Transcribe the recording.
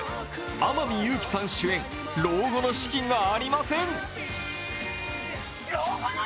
天海祐希さん主演「老後の資金がありません！」。